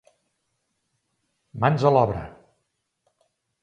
Mans a l'obra!